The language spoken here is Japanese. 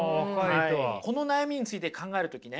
この悩みについて考える時ね